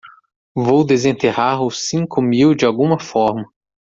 Vou desenterrar os cinco mil de alguma forma.